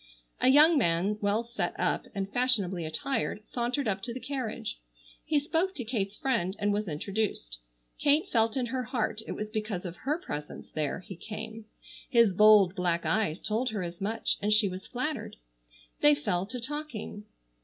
A young man well set up, and fashionably attired, sauntered up to the carriage. He spoke to Kate's friend, and was introduced. Kate felt in her heart it was because of her presence there he came. His bold black eyes told her as much and she was flattered. They fell to talking.